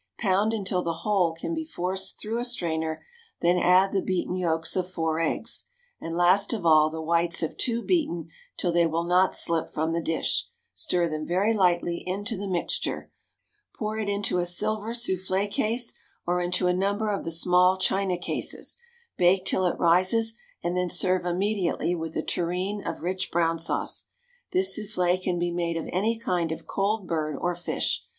Pound until the whole can be forced through a strainer, then add the beaten yolks of four eggs, and last of all the whites of two beaten till they will not slip from the dish; stir them very lightly into the mixture. Pour it into a silver soufflé case, or into a number of the small china cases. Bake till it rises, and then serve immediately with a tureen of rich brown sauce. This soufflé can be made of any kind of cold bird or fish.